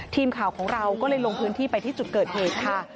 ทีมข่าวของเราก็เลยลงพื้นที่ไปที่จุดเกิดเหตุค่ะ